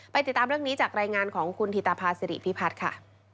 ติดตามเรื่องนี้จากรายงานของคุณธิตภาษิริพิพัฒน์ค่ะ